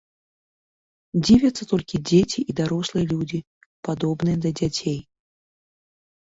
Дзівяцца толькі дзеці і дарослыя людзі, падобныя да дзяцей.